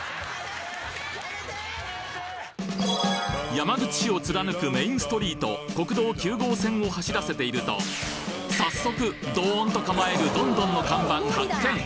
山口市を貫くメインストリート国道９号線を走らせていると早速どんと構えるどんどんの看板発見！